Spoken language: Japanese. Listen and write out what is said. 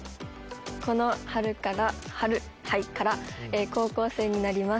この春から春はいから高校生になります